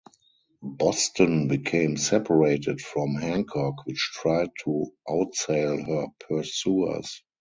"Boston" became separated from "Hancock", which tried to outsail her pursuers.